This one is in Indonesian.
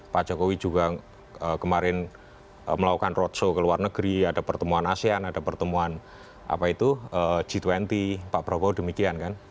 pak jokowi juga kemarin melakukan roadshow ke luar negeri ada pertemuan asean ada pertemuan g dua puluh pak prabowo demikian kan